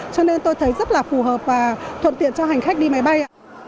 cho nên tôi thấy rất là phù hợp và thuận tiện cho hành khách đi máy bay